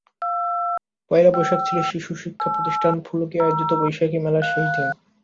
পয়লা বৈশাখ ছিল শিশু শিক্ষাপ্রতিষ্ঠান ফুলকি আয়োজিত বৈশাখী মেলার শেষ দিন।